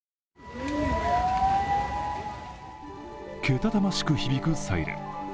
けたたましく響くサイレン。